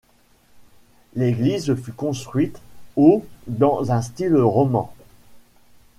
L'église fut construite au dans un style roman.